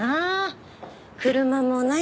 車もないし。